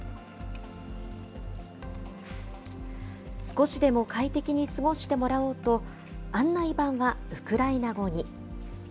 少しでも快適に過ごしてもらおうと、案内板はウクライナ語に。